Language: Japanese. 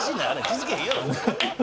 気付けへんやろ普通。